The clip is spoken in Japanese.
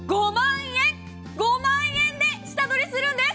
５万円で下取りするんです！